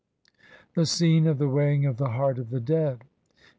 The Scene of the Weighing of the Heart of the Dead.